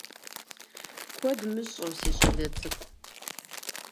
Куэд мыщӏэу, си щӏалэ цӏыкӏу…